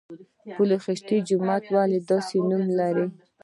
پل خشتي جومات ولې داسې نوم لري؟